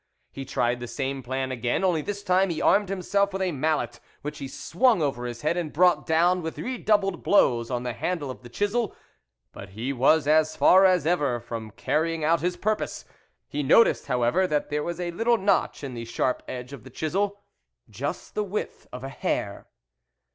He tried the same plan again, only this time he armed himself with a mallet, which he swung over his head and brought down with redoubled blows on the handle of the chisel but he was as far as ever from carrying out his purpose. He noticed, however, that there was a little notch in the sharp edge of the chisel, just the width of a hair.